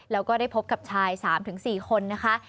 แล้วก็ได้พบกับชาย๓๔คนนะคะ